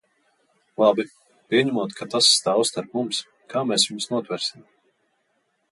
Labi, pieņemot, ka tas stāv starp mums, kā mēs viņus notversim?